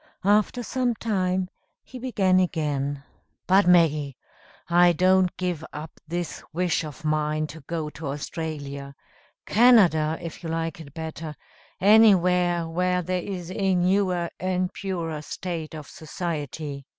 After some time he began again: "But, Maggie, I don't give up this wish of mine to go to Australia Canada, if you like it better anywhere where there is a newer and purer state of society."